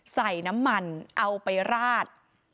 ใส่น้ำมันเอาไปราด